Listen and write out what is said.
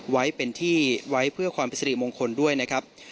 ไว้เป็นที่ไว้เพื่อความเป็นสิริมงคลด้วยนะครับ